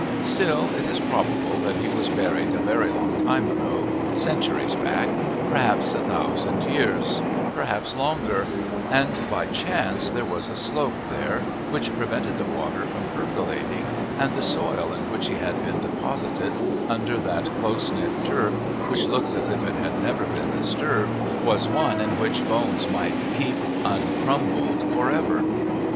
Still, it is probable that he was buried a very long time ago, centuries back, perhaps a thousand years, perhaps longer, and by chance there was a slope there which prevented the water from percolating, and the soil in which he had been deposited, under that close knit turf which looked as if it had never been disturbed, was one in which bones might keep uncrumbled for ever.